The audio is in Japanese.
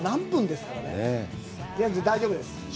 でも、大丈夫です。